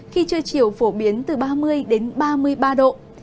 khi trưa chiều phổ biến từ ba mươi đến ba mươi ba độ